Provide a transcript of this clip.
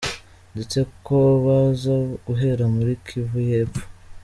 Ndetse ko baza guhera muri Kivu y’Epfo.